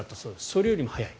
それよりも早い。